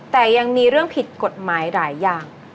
แต่ยังมีเรื่องผิดกฎหมายหลายอย่าง